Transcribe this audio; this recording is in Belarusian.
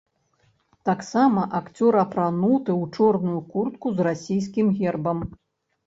Таксама акцёр апрануты ў чорную куртку з расійскім гербам.